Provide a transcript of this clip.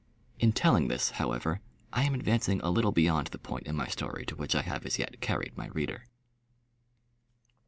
In telling this, however, I am advancing a little beyond the point in my story to which I have as yet carried my reader.